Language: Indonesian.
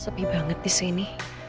sepi banget disini